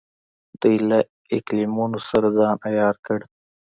دوی له اقلیمونو سره ځان عیار کړ.